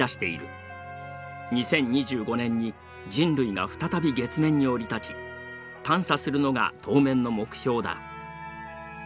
２０２５年に人類が再び月面に降り立ち探査するのが当面の目標だ。